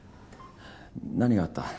何があった？